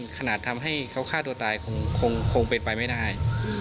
ขนาดทำให้เขาฆ่าตัวตายคงเป็นไปไม่ได้